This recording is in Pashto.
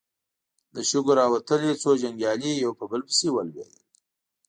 له شګو راوتلې څو جنګيالي يو په بل پسې ولوېدل.